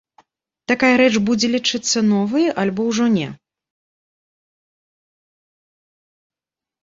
Такая рэч будзе лічыцца новай, альбо ўжо не?